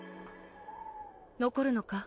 残るのか？